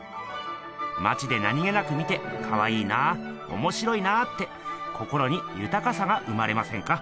まちで何気なく見てかわいいなおもしろいなって心にゆたかさが生まれませんか？